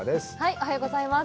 おはようございます。